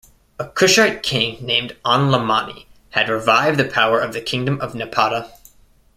A Kushite king named Anlamani had revived the power of the kingdom of Napata.